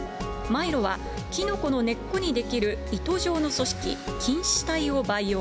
マイロはキノコの根っこに出来る糸状の組織、菌糸体を培養。